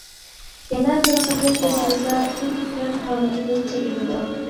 يەنە بىر قېتىم بېسىلسا پۈتۈن ئېكران ھالىتىدىن چېكىنىدۇ.